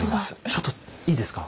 ちょっといいですか？